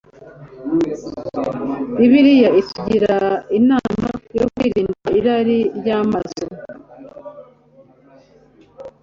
bibiliya itugira inama yo kwirinda irari ry'amaso